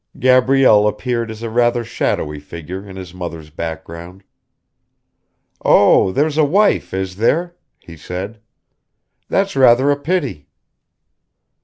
Gabrielle appeared as a rather shadowy figure in his mother's background. "Oh, there's a wife, is there?" he said. "That's rather a pity."